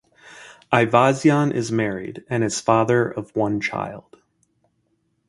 Ayvazyan is married and is father of one child.